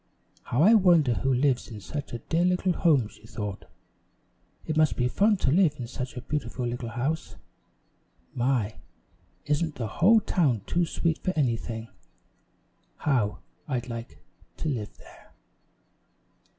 "How I wonder who lives in such a dear little home!" she thought. "It must be fun to live in such a beautiful little house. My, isn't the whole town too sweet for anything! How I'd like to live there!"